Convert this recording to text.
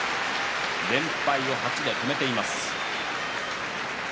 連敗を８で止めています。